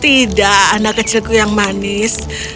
tidak anak kecilku yang manis